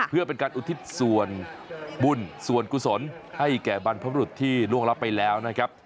เพื่อเป็นการอุทิศส่วนบุญส่วนกุศลให้แก่บรรพบรุษที่ล่วงรับไปแล้วนะครับ